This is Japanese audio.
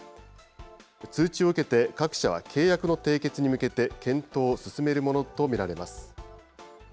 通知を受けて、各社は契約の締結に向けて、検討を進めるものと見られます。